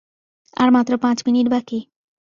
আর মাত্র পাঁচ মিনিট বাকি।